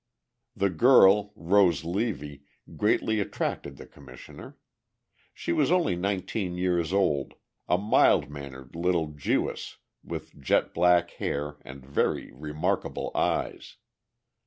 The girl, Rose Levy, greatly attracted the Commissioner. She was only nineteen years old, a mild mannered little Jewess with jet black hair and very remarkable eyes.